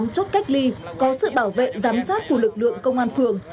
hai mươi tám chốt cách ly có sự bảo vệ giám sát của lực lượng công an phường